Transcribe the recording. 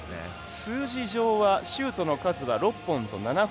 数字上はシュートの数は６本と７本。